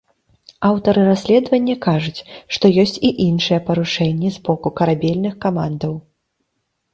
Аўтары расследавання кажуць, што ёсць і іншыя парушэнні з боку карабельных камандаў.